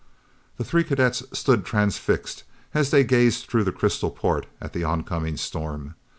The three cadets stood transfixed as they gazed through the crystal port at the oncoming storm.